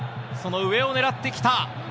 その上を狙ってきた。